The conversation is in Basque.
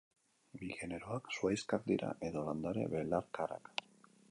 Bi generoak zuhaixkak dira, edo landare belarkarak.